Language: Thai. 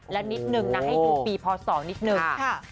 และนิดนึงนะให้ดูปีพศ๒นิดนึง